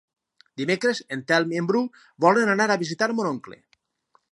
Dimecres en Telm i en Bru volen anar a visitar mon oncle.